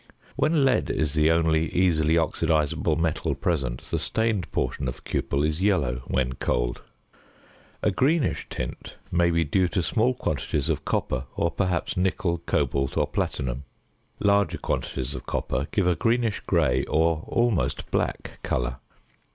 When lead is the only easily oxidisable metal present, the stained portion of cupel is yellow when cold. A greenish tint may be due to small quantities of copper or, perhaps, nickel, cobalt, or platinum. Larger quantities of copper give a greenish grey or almost black colour.